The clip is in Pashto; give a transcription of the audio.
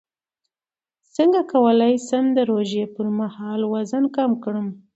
څنګه کولی شم د روژې پر مهال وزن کم کړم